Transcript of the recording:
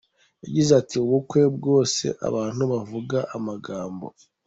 Yagize ati “Ubukwe bwose abantu bavuga amagambo .